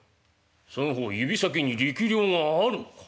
その方指先に力量があるのか。